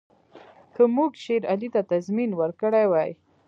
که موږ شېر علي ته تضمین ورکړی وای.